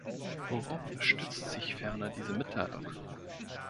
Worauf stützt sich ferner diese Mitteilung?